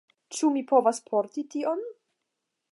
Ĉu mi povas porti tion?